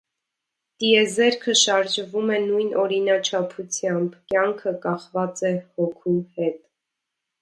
Տիեզերքը շարժվում է նույն օրինաչափությամբ, կյանքը կախված է հոգու հետ։